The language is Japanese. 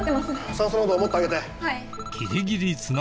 酸素濃度をもっと上げて。